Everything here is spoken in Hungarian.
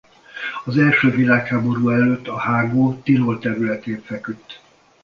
Az első világháború előtt a hágó Tirol területén feküdt.